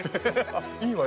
いいわよ。